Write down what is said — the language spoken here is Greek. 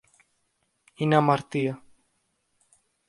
Είναι αμαρτία!